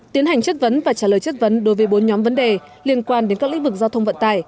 tiến hành chất vấn và trả lời chất vấn đối với bốn nhóm vấn đề liên quan đến các lĩnh vực giao thông vận tải